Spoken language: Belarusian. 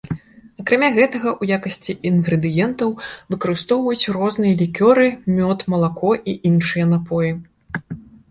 Акрамя гэтага ў якасці інгрэдыентаў выкарыстоўваюць розныя лікёры, мёд, малако і іншыя напоі.